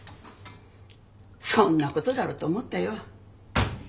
そんなことだろうと思ったよ。